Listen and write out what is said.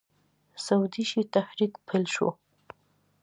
سودیشي تحریک پیل شو.